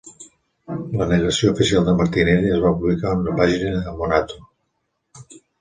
La negació oficial de Martinelli es va publicar en una pàgina a "Monato".